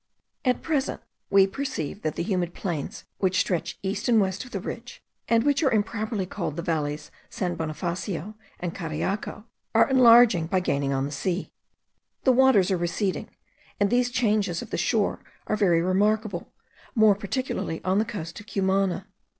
At present we perceive that the humid plains which stretch east and west of the ridge, and which are improperly called the valleys San Bonifacio and Cariaco, are enlarging by gaining on the sea. The waters are receding, and these changes of the shore are very remarkable, more particularly on the coast of Cumana.